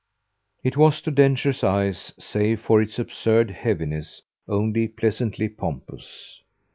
It was to Densher's eyes save for its absurd heaviness only pleasantly pompous.